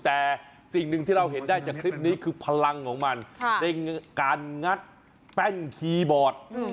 แต่สิ่งหนึ่งที่เราเห็นได้จากคลิปนี้คือพลังของมันในการงัดแป้นคีย์บอร์ด